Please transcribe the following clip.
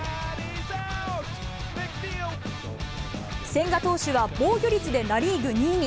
千賀投手は防御率でナ・リーグ２位に。